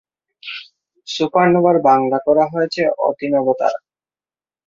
সুপারনোভার বাংলা করা হয়েছে অতিনবতারা।